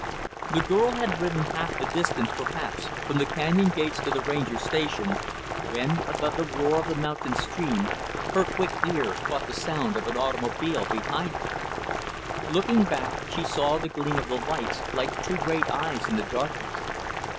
The girl had ridden half the distance, perhaps, from the canyon gates to the Ranger Station when, above the roar of the mountain stream, her quick ear caught the sound of an automobile, behind her. Looking back, she saw the gleam of the lights, like two great eyes in the darkness.